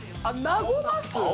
和ます？